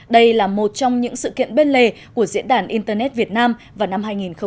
đây là một trong những sự kiện bên lề của diễn đàn internet việt nam vào năm hai nghìn một mươi chín